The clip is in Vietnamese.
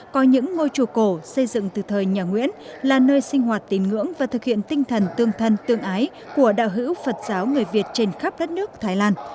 có những ngôi chùa cổ xây dựng từ thời nhà nguyễn là nơi sinh hoạt tín ngưỡng và thực hiện tinh thần tương thân tương ái của đạo hữu phật giáo người việt trên khắp đất nước thái lan